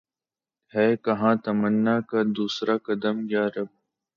ہے کہاں تمنا کا دوسرا قدم یا رب